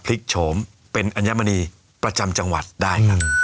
กโฉมเป็นอัญมณีประจำจังหวัดได้ครับ